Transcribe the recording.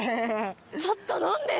ちょっと飲んでる！